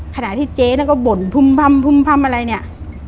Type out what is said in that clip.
ขณะที่เจ๊น่ะก็บ่นพุ่มพ่ำอะไรเนี่ย